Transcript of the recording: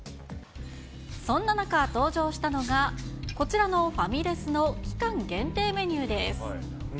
そんな中、登場したのが、こちらのファミレスの期間限定メニューです。